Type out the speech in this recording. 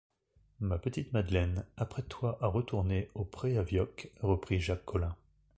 Ma petite Madeleine, apprête-toi à retourner au pré à vioque, reprit Jacques Collin.